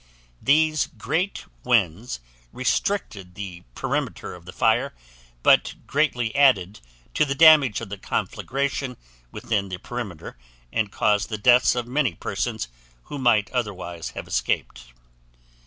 These great winds restricted the perimeter of the fire but greatly added to the damage of the conflagration within the perimeter and caused the deaths of many persons who might otherwise have escaped.